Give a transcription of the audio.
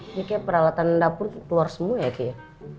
ini kayak peralatan dapur keluar semua ya kayaknya